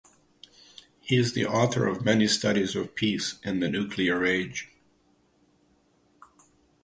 He is the author of many studies of peace in the Nuclear Age.